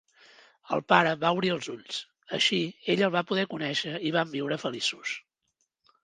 El pare va obrir els ulls, així ella el va poder conèixer i van viure feliços.